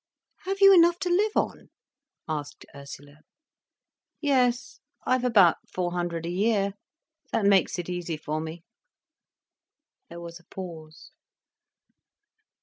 "Have you enough to live on?" asked Ursula. "Yes—I've about four hundred a year. That makes it easy for me." There was a pause.